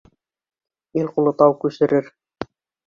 Ил ҡулы тау күсерер.